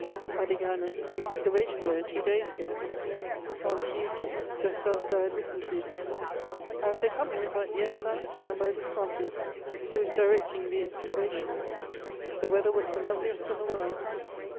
I began an excavation there two days ago, on Tuesday, just after I had written to you. I was accompanied by Hyacinthe and by Visconti, who is directing the excavation. The weather was the loveliest in the world.